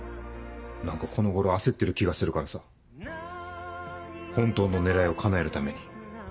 何かこの頃焦ってる気がするからさ本当の狙いをかなえるために。